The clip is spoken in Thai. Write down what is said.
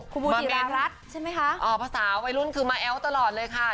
คุณบูจิรารัสใช่ไหมคะอ๋อภาษาวัยรุ่นคือมาแอ้วตลอดเลยค่ะ